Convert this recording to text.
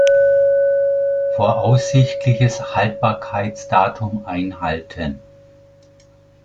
Voraussichtliches Haltbarkeitsdatum einhalten.